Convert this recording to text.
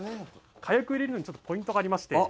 カヤク入れるのにちょっとポイントがありまして。